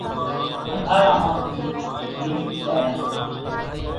انڌارا مان ٿي نيڪري آيان سو